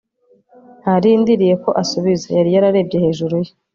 ntarindiriye ko asubiza, yari yararebye hejuru ye